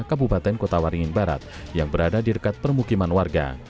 kabupaten kota waringin barat yang berada di dekat permukiman warga